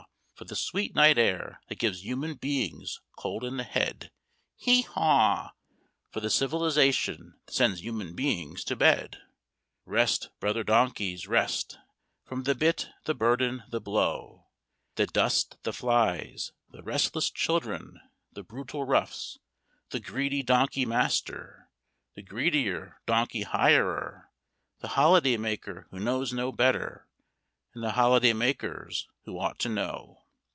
for the sweet night air that gives human beings cold in the head. Hee haw! for the civilization that sends human beings to bed. Rest, Brother Donkeys, rest, from the bit, the burden, the blow, The dust, the flies, the restless children, the brutal roughs, the greedy donkey master, the greedier donkey hirer, the holiday maker who knows no better, and the holiday makers who ought to know!